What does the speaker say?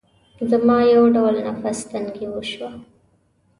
زما يو ډول نفس تنګي وشوه.